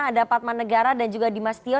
ada padmanegara dan juga dimas tio